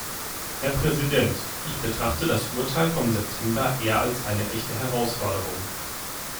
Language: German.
Herr Präsident! Ich betrachte das Urteil vom September eher als eine echte Herausforderung.